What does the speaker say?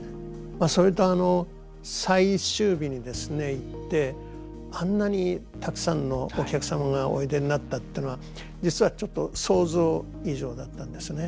それと最終日に行ってあんなにたくさんのお客様がおいでになったってのは実はちょっと想像以上だったんですね。